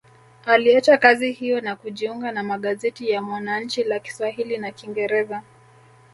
Aliacha kazi hiyo na kujiunga na magazeti ya Mwananchi la Kiswahili na kingereza